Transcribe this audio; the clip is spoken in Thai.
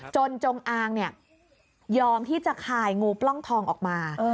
จงอางยอมที่จะคายงูปล้องทองออกมา